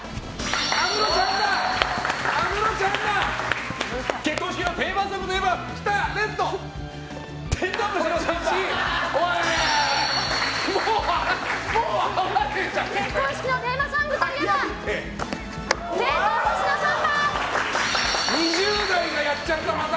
安室ちゃんだ！